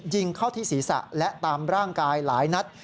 ยิงเข้าที่ศีรษะและตามร่างกายหลายนัด